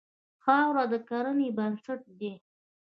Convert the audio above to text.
خاوره د کرنې بنسټ دی.